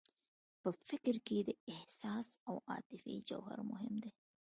په فکر کې د احساس او عاطفې جوهر مهم دی.